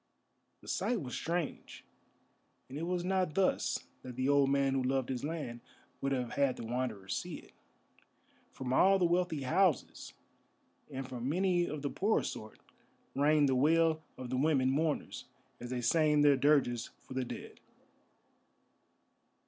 The sight was strange, and it was not thus that the old man, who loved his land, would have had the Wanderer see it. From all the wealthy houses, and from many of the poorer sort, rang the wail of the women mourners as they sang their dirges for the dead.